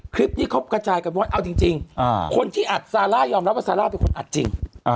คลิปนี้เขากระจายกันว่าเอาจริงคนที่อัดซาร่ายอมรับว่าซาร่าเป็นคนอัดจริง